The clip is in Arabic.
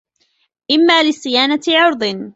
إمَّا لِصِيَانَةِ عِرْضٍ